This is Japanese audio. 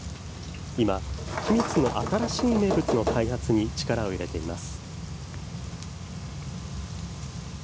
今、君津の新しい名物の開発に力を入れています。